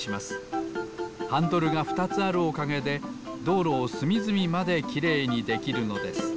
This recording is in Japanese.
ハンドルがふたつあるおかげでどうろをすみずみまできれいにできるのです。